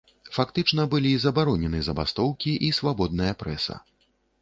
Фактычна былі забаронены забастоўкі і свабодная прэса.